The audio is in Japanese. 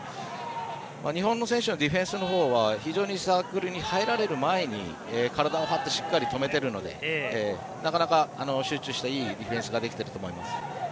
日本の選手はディフェンスのほうは非常にサークルに入られる前に体を張ってしっかり止めてるのでなかなか、集中したいいディフェンスができていると思います。